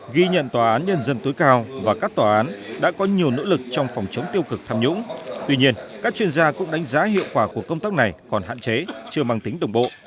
ghi nhận tòa án nhân dân tối cao và các tòa án đã có nhiều nỗ lực trong phòng chống tiêu cực tham nhũng tuy nhiên các chuyên gia cũng đánh giá hiệu quả của công tác này còn hạn chế chưa mang tính đồng bộ